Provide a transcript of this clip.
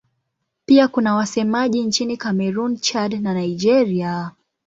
Pia kuna wasemaji nchini Kamerun, Chad na Nigeria.